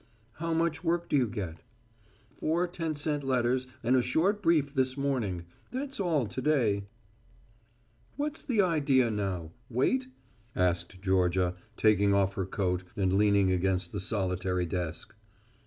"How much work do you get?" "Four ten cent letters and a short brief this morning. That's all to day." "What's the idea now wait?" asked Georgia, taking off her coat and leaning against the solitary desk.